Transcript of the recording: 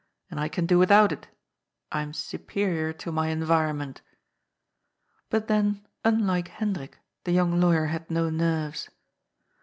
And I can do without it. I am superior to my environment." But then, unlike Hendrik, the young lawyer had no nenres.